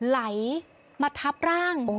ไหลมาทับร่าง